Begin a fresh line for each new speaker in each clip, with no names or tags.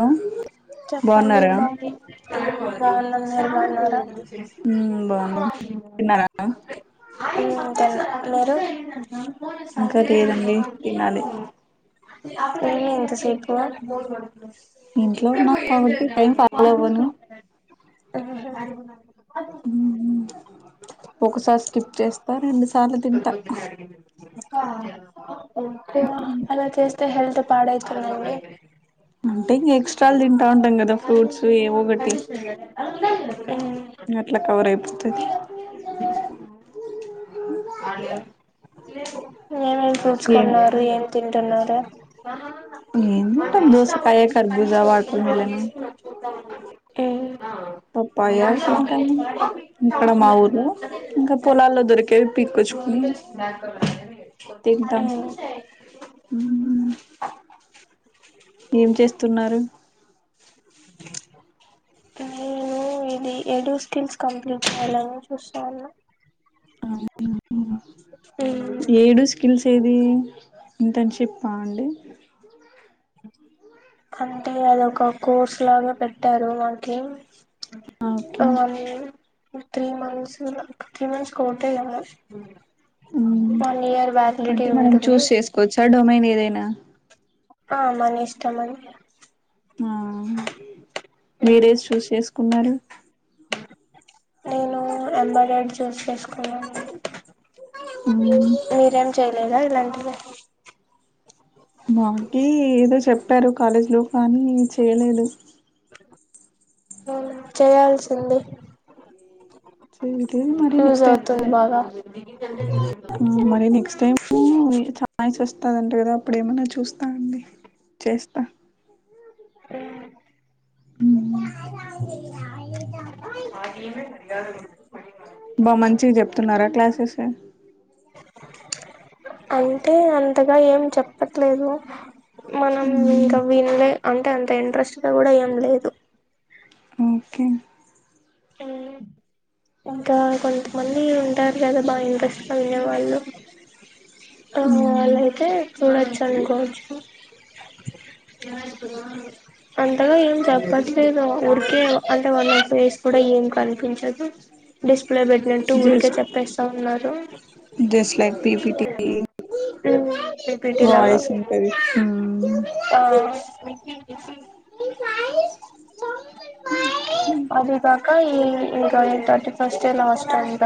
Hello
చెప్పండి
బాగున్నారా
బా బాగు అందరూ బాగున్నారా
బాన్నం తిన్నారా
ఉమ్ తిన్న మీరు
ఇంకా లేదండి తినాలి
[unintelligible] ఏమి ఇంత సేపు
ఇంట్లో ఉన్నా కాబట్టి టైం ఫాలో అవ్వను
ఆహ
ఉమ్ ఉ ఒకసారి స్కిప్ చేస్తా రెండు సార్లు తింటా
ఓకే అలా చేస్తే హెల్త్ పడైతదండి
ఉంటే ఇంకా ఎక్స్ప్రెస్! ! ! ! ! ! ! ! !
[unintelligible]
అట్లా కవర్ అయిపోతది
లే ఏమేం ఫ్రూట్
ఏం
కొన్నారు ఏం తిన్ తిన్నార
ఏం తింటాం దోసకాయ కరుబూజ వాటర్ మీలన్
ఉమ్
పప్పాయ తింటాము ఇక్కడ మా ఊర్లో ఇంకా పొలాల్లో దొరికేవి పీక్కొచ్చుకుని తింటాం
ఉమ్
ఉమ్ ఏం చేస్త్ తున్నారు
నేను ఇది ఏడో స్కిల్స్ కంప్లీట్ చేయ్యాలని చూస్తా ఉన్నా ఉన్నా
ఏడు స్కిల్స్ ది ఇంటర్న్షిప్ ఆ అండి
అంటే అది ఒక కోర్సు లాగా పెట్టారు మకి
ఓకే
అవ్వన్నీ త్రీ మంత్స్ త్రీ మంత్స్ ఓటే కదా
అంటే మనం
ఉంటుంది
చూస్ చేసుకోవచ్చా డొమైన్ ఏదైనా [inaudible]
ఆ మన ఇష్టం మని
ఆ మీరేస్ చూస్ చేసుకున్నారు
నేను ఎంబెడెడ్ చూస్ చేసుకున్నాను మీరేం చేయలేదా ఇలాంటి [inaudible]
మాకి ఏదో చెప్పారు కాలేజ్ లో కానీ నెన్ చేయలేదు
ఉమ్ చేయాల్సింది
మరి
యూజ్
నెక్స్ట్ టై
అవుతుంది బాగా
ఉమ్ మరి నెక్స్ట్ టైమ్ చానా వస్తందంట కదా అప్పుడు ఏమన్నా చూస్తా అండి చేస్తా
ఆ
ఉమ్
అది మది
బా మంచిగా చెప్తున్నారా క్లాసెస్
అంటే అంతగా ఏం చెప్పట్లేదు మనం ఇంకా వినలే అంటే అంత ఇంట్రెస్ట్గా కూడా ఏం లేదు
ఓకే
ఇంకా కొంతమంది ఉంటారు కదా బాగా ఇంట్రెస్ట్ గా ఉండే వాళ్ళు అ అలాయితే చూడొచ్చు త్తం గజ్ అంతగా ఏం చెప్పట్లేదు ఉరికే అంటే వన్నం పస్ కూడా ఏం కనిపించదు డిస్ప్లే పెట్టినట్టు ఊరికే
జస్ట్
చెప్పేస్తా ఉన్నారు
just like PPT
um PPT లాగా
వాయిస్ ఉంటది మ్మ్.
ఆ అది కాక ఈ ఇ ఇంకా థర్టీ ఫస్ట్ లాస్ట్ అంట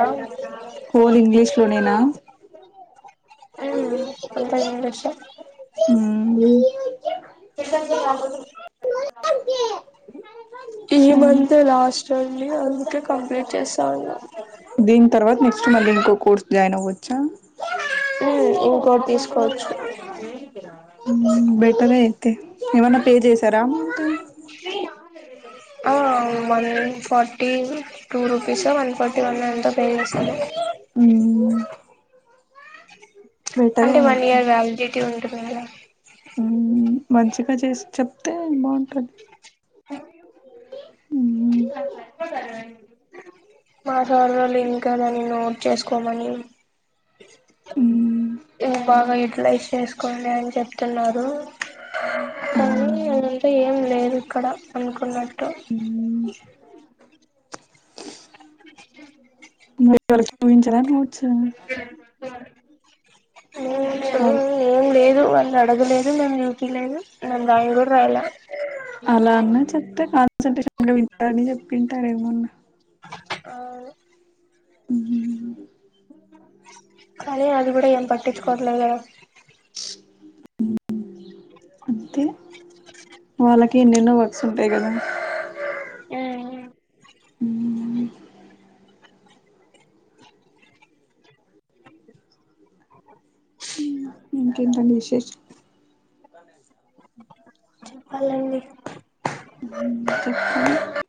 హోల్ ఇంగ్లీష్ లోనేనా
ఆమ్ అంతాంగ్ విషయం
ఆమ్
ఈ
సరే
మంత్ లాస్ట్ అండి అందుకే కంప్లీట్ చేస్తా
దీని తర్వాత నెక్స్ట్ మంత్ ఇంకో కోర్స్ జాయిన్ అవ్వచ్చా
ఆ ఇంకోటి తీసుకోవచ్చు
మ్మ్, బెటరే అయితే ఎమైనా పే చేశారా
ఆ one forty two rupees one forty one ఎంతో పే చేశాను
మ్మ్, బెటరే
అంటే వన్
అయితే
ఇయర్ వ్యాలిడిటీ ఉంది [unintelligible]
మ్మ్, మంచిగా చేసి చెప్తే బాగుంటది
ఓ మా సర్వర్ లింక్ కదని నోట్ చేసుకోమని బాగా యూటిలైజ్ చేసుకోండి అని చెప్తున్నారు కానీ అంటే ఏం లేదు ఇక్కడ అనుకున్నట్టు
మరి వొ ఏమున్నా చూయించారా నోట్స్ అది
ఏం లేదు వాళ్ళు అడగలేదు మేము చూపిలేదు మేము రాయని కూడా రాయలా
అలా అన్నా చెప్తే కాన్సంట్రేషన్ గా వింటారని చెప్పిండు తరేమన్నా
అ
ఉమ్
కానీ అది కూడా ఏం పట్టించుకోవటలేదు గదా
అంతే వాళ్ళకీ ఎన్నెన్నో వర్క్స్ ఉంటాయి కదా
ఆ హు [unintelligible]
ఇంకేంటండి విశేషం
ప్పాలండి [unintelligible]
[unintelligible]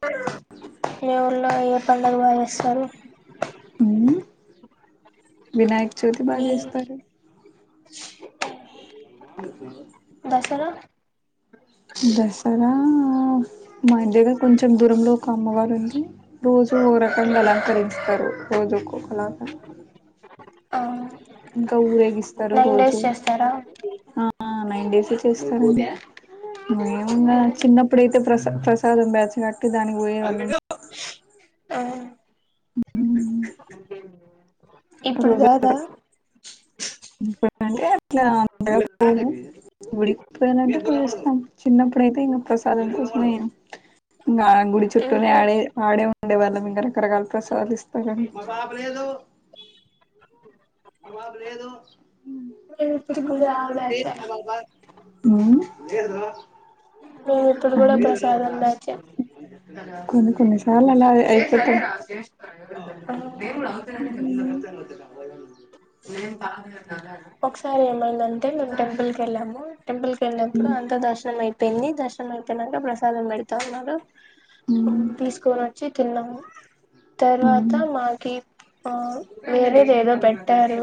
ఏ ఊర్లో ఏ పండగ బా సర్లే
ఊ వినాయక చవితి బాగా
మీ
చేస్తారు.
[unintelligible] [unintelligible] దసరా
దసరా మధ్యలో కొంచెం దూరంలో ఒక అమ్మవారు ఉంది రోజూ ఓ రకంగా అలంకరించుతారు. రోజుకొకలాగా
అవును
ఇంకా ఊరేగిస్తారు రోజు
చేస్తారా
ఆ నైన్ డేస్ చేస్తారెమో, ఏమున్నద్ చిన్నప్పుడేతే ప్రసాద్ ప్రసాదం బ్యాచ్ ఫస్ట్ దానికి పోయే వాళ్ళం.
ఆ [unintelligible] ఇప్పుడు కాదా
ఇంటే అట్లా రోజు పోము గుడికి పోవాలంటే పోయిస్తాం. చిన్నప్పుడైతే ఇంకా ప్రసాదం కోసమే ఇంకా గుడి
నేను
చుట్టూనే ఆడే ఆడేవాళ్ళం ఇంకా రకరకాల ప్రసాదాలు ఇస్త. ఉహు మా పాప లేదు [inaudible] మా పాప లేదు.
నేను ఇప్పుడికి కూడా ఆ బ్యాచే
ఆ లేదు రా
నేను ఇప్పుడు కూడా ప్రసాదం బ్యాచ్
కొన్ని కొన్ని సార్లు అలా అయిపోతాం
[unintelligible] [unintelligible] ఒకసారి ఏమైందంటే మేము టెంపుల్ కి ఎళ్ళామూ. టెంపుల్ కి ఎళ్ళినప్పుడు అంత దర్శనం అయింది. వెల్లి దర్శనం అయిపోయినంక ప్రసాదం పెడతారు కదా.
ఉమ్
తీసుకొని వచ్చి తిన్నాము
ఉమ్
తర్వాత మాకి ఆ వేరే ఏదో పెట్ తారు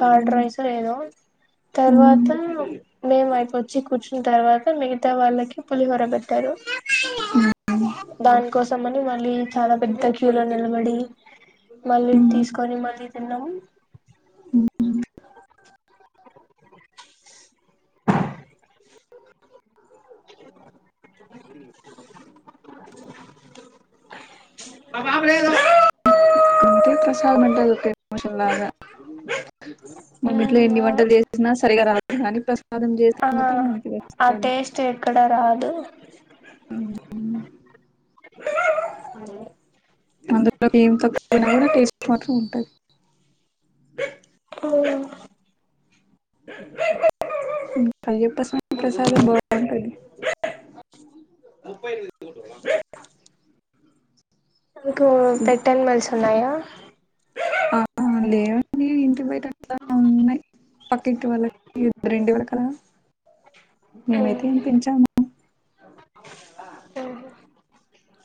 కర్డ్ రైస్ లేదు
ఉమ్
తర్వాత మేము అయిపోతు వచ్చి కూర్చున్న తర్వాత మిగతా వాళ్ళకి పులిహోర పెట్టారు దానికో తమ్మని మళ్లీ చాలా పెద్ద క్యూ లో నిలబడి మళ్ళీ తీసుకొని మళ్ళీ తిన్నాము
ఉ
ఆ
జ [unintelligible] మన ఇంట్లో ఎన్ని వంటలు చేసినా సరిగా రాదు కానీ ప్రస్
ఆ ఆ టేస్ట్ ఎక్కడా రాదు
అందులో ఏం తక్కువ అయినా కూడా టేస్ట్ మాత్రం ఉంటది
అవున
పయ్యప్ప స్వామి ప్రసాదం బాంటది ముప్పై రగుది కూట్ం
మీకు పెట్ట్ అనిమల్స్ ఉన్నాయా
ఆ లేవండి ఇంటి బయ ట ఉన్నాయి పక్కింటి వాళ్ళకి రెండు [inaudible] వాళ్ళ కలా మేమైతే ఏమ్ పెంచాము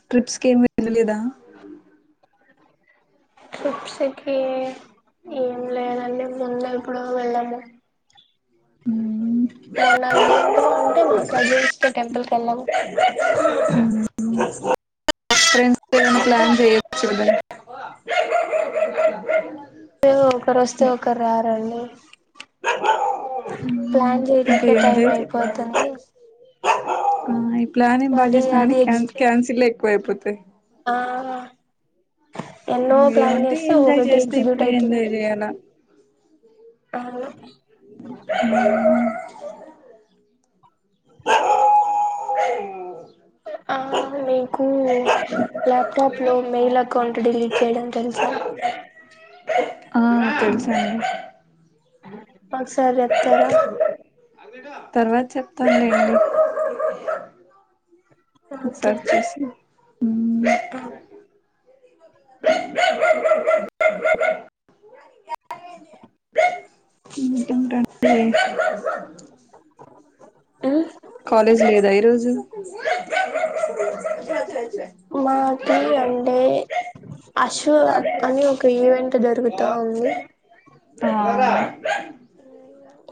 ట్రిప్స్ కేమి వెళ్లలేదా
ట్రిప్స్ కి ఏం లేదండి ముందు ఎప్పుడో వెళ్ళాము మొన్న రీసెంట్ గా అంటే మా కజిన్స్ తో టెంపుల్ కెళ్ళాము
అవునా ఫ్రెండ్స్ ఏదైనా
అంటే
ప్లాన్
అక్కడ
చేయొచ్చు కదా
అంటే ఒకరు వొస్తే ఒకరు రారండి ప్లాన్
ఇక
చేయడానికే
ఏం
టైం
జేయల్ల చెప్పు
అయిపోతుంది
ఆ ప్లానేం బాగా
మళ్ళీ
చేస్తాం కానీ
అది
క్యాన్
ఎగ్జిక్యూట్
క్యాన్సిల్లే ఎక్కువ అయిపోతాయి
ఆ ఎన్నో ప్లాన్
ఏమంటే
చేస్తే
ఎంజాయ్
ఒకటి
చేస్తే
ఎగ్జిక్యూట్
ఇప్పుడే ఎంజాయ్
అయితుంది
చేయాలా
అవును
[inaudible] [inaudible]
ఆ మీకు ల్యాప్టాప్ లో మెయిల్ అకౌంట్ డిలీట్ చేయడం తెలుసా
ఆ తెలుసా అండి
అ ఒకసారి చెప్తార
తర్వాత చెప్తాన్ లెండి ఒకసారి చూసి
ఆ
బ బ బ బ చూడాలి [inaudible] ఇంకేంటి అంటే
అ
కాలేజ్ లేదా ఈరోజు
మాకి అండే అషు కానీ ఒక ఈవెంట్ అట్ట జరుగుతా ఉంది
ఆ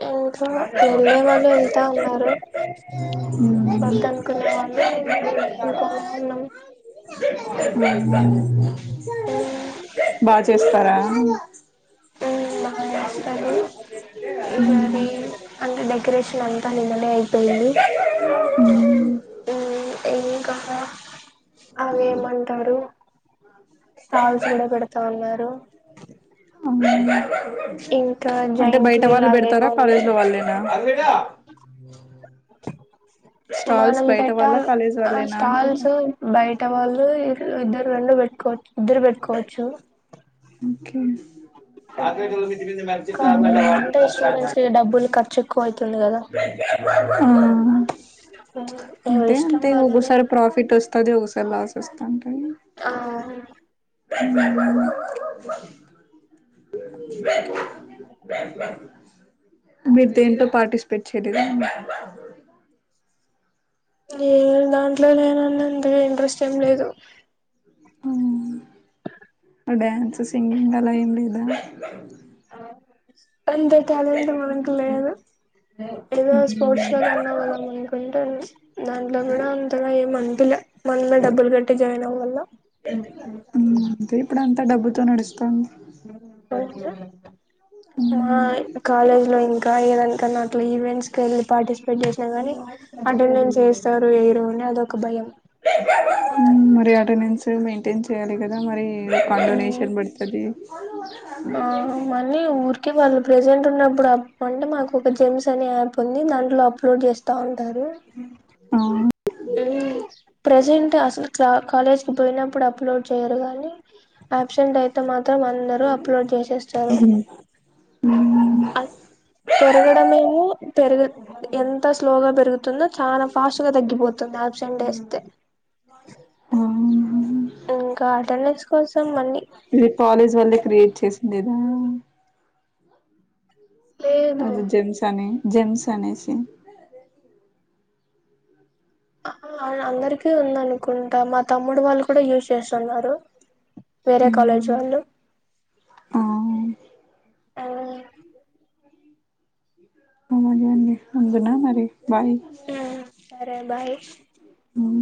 ఇంట్లో వెళ్ళే వాళ్ళు వెళ్తా ఉన్నారు
హు
వద్ద అనుకునే వాళ్ళు రూమ్ లో అనుకోనే ఉన్నాం
బాగా చేస్తారూ
బాగా చేస్తారు
చాలు
ఈసారి
హు
అంటే డెకరేషన్ అ నిన్ననే అయిపోయింది హు కా అవి ఏమంటారు స్టాల్స్ కూడా పెడతా ఉన్నారు
అమ్
ఇంకా
అంటే
జైంట్
బయట
వీల్
వాళ్ళు పెడతారా
అవేవో
కాలేజ్
ఉన్నాయి
లో వాళ్ళేనా దా
మనం పెట్ట
వాళ్ళ కాలేజ్
ఆ
వాళ్ళేనా
స్టాల్స్
అంటున్నా
బయట వాళ్ళు ఇద్దరు రెండు పెట్కోవచ్చు ఇద్దరు పెట్టుకోవచ్చు
ఉ
కానీ అంటే స్టూడెంట్స్ కి డబ్బులు కట్ట్ చెక్కువయిట్
ఆ
్
అంతే అంతే ఒక్కొసారి ప్రాఫిట్ వస్ తది ఒకసారి లాస్ ఇస్తాది
ఆ
హుమ్మ్ బ్యాం బ్యాం మీరు దేంట్లో పార్టిసిపేట్ చేయలేదు
ఏదాంట్లో నేనుండను అంతగా ఇంట్రెస్ట్ ఏం లేదు
డ్యాన్స్ సింగింగ్ అలా ఏం లేదా
ఆ అంత టాలెంట్ మనకు లేదు ఏదో స్పోర్ట్స్ లో కి అన్నావ్ కదా అనుకుంటున్నా దాంట్లో కూడా అంతగా ఏం అనిపి లా మనమే డబ్బులు కట్టి జాయిన్ అవ్యాల్లా
అ అంతే ఇప్పుడు అంతా డబ్బుతోనే నడుస్తుంది
మా కాలేజ్ లో ఇం కా ఇడంకనా ఈవెట్స్ కి వెళ్ళి పార్టి ట్ చేసినా కానీ అటెండెన్స్ వేస్తారో వెయ్యరో అని అదొక భయం
మరి అటెండన్స్ మెయింటైన్ చేయాలి కదా మరి ఇ కాండొనేషన్ పడుతది అ
ఆ మనీ ఊర్కె వాల్ ప్రెజెంట్ ఉన్నప్పుడు అ అంటే మాకు ఒక జిమ్స్ అనే యాప్ ఉంది దాంట్లో అప్లోడ్ చేస్తా ఉంటారు
ఆ
ప్రెజెంట్ అసలు కాలేజ్ కి పోయినప్పుడు అప్లోడ్ చేయరు కానీ అబ్సెంట్ అయితే మాత్రం అందరు అప్లోడ్ చేసేస్తారు పెరగడమేమో పెరు ఎంత స్లోగా పెరుగుతుందో చాలా ఫాస్ట్ గా తగ్గిపోతుంది తోనా ఫ్ట్
ఆ
ఇంకా అటెండెన్స్ కోసం మళ్ళీ
మీరు కాలేజ్ వల్లే క్రియేట్ చేసింది అయ్
లేదు
అది జెమ్సని జెమ్స్ అనేేసి
అందరికీ ఉందనుకుంటా మా తమ్ముడు వాళ్ళు కూడ యూజ్ చేస్తున్నారు వేరే కాలేజ్ వాళ్ళు
ఆ
ఆ
అలాగ అండి అంతేన మరి బాయ్
సరే బాయ్
ఉమ్